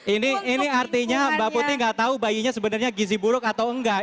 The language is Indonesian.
ini artinya mbak putih nggak tahu bayinya sebenarnya gizi buruk atau enggak